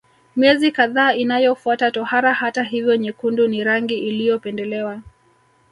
Miezi kadhaa inayofuata tohara hata hivyo nyekundu ni rangi iliyopendelewa